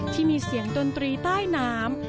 ที่มีเสียงดนตรีใต้น้ำ